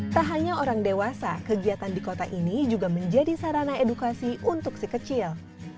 tak hanya orang dewasa kegiatan di kota ini juga menjadi sarana edukasi untuk si kecil